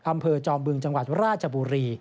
อำเภอจอมบึงจังหวัดราชบุรี